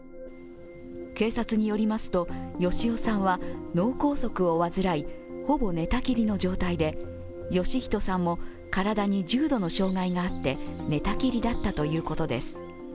警察によりますと、芳男さんは脳梗塞を患いほぼ寝たきりの状態で、芳人さんも体に重度の障害があって寝たきりだったということです。